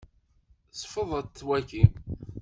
Ṣfeḍet wagi.